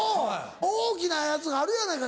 大きなやつがあるやないか。